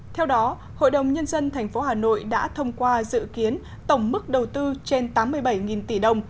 theo đó hội đồng nhân dân tp hà nội đã thông qua dự kiến tổng mức đầu tư trên tám mươi bảy tỷ đồng